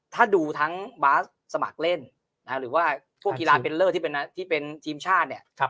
ถ้าดูทั้งบาสสมัครเล่นหรือว่าพวกกีฬาเบลเลอร์ที่เป็นทีมชาติเนี่ย